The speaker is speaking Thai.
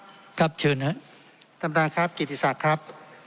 ถึงย่าจริงก็ตามแต่ว่าเก่าหาข้อมีความวิธิภาคศาชัดเรียบร้อยนะครับ